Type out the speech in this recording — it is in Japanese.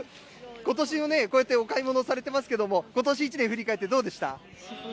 ことしもね、こうやってお買い物されてますけれども、ことし一年振り返ってどうでした？